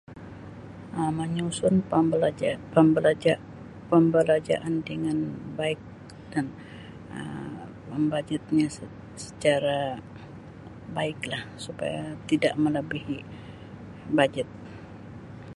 Um Manyusun pembelanja-pembelanja pembelanjaan dengan baik dan Um membagi [unintelligible] secara baiklah supaya tidak malabihi bajet.